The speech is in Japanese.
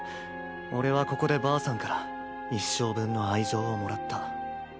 俺はここでばあさんから一生分の愛情をもらった。